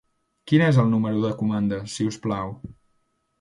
Quin és el número de comanda, si us plau?